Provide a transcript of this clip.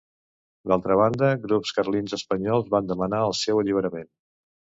D'altra banda, grups carlins espanyols van demanar el seu alliberament.